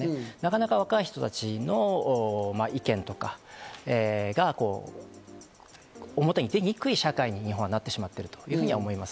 若い人たちの意見とかが表に出にくい社会に今なってしまっていると思います。